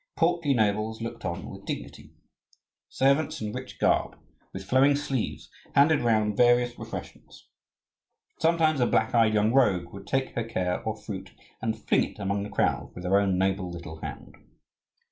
Portly nobles looked on with dignity. Servants in rich garb, with flowing sleeves, handed round various refreshments. Sometimes a black eyed young rogue would take her cake or fruit and fling it among the crowd with her own noble little hand.